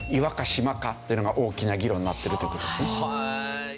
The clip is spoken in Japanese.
島か？っていうのが大きな議論になっているという事ですね。